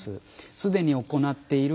「すでに行っている」